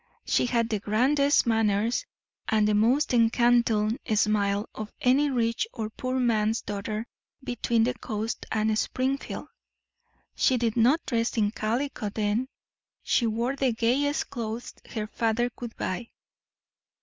"She had the grandest manners and the most enchanting smile of any rich or poor man's daughter between the coast and Springfield. She did not dress in calico then. She wore the gayest clothes her father could buy.